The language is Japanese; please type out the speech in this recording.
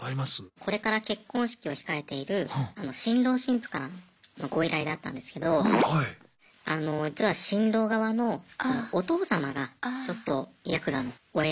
これから結婚式を控えている新郎新婦からのご依頼だったんですけどあの実は新郎側のお父様がちょっとヤクザのお偉